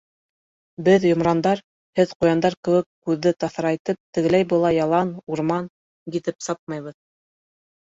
Беҙ йомрандар, һеҙ ҡуяндар кеүек күҙҙе таҫрайтып тегеләй-былай ялан, урман гиҙеп сапмайбыҙ.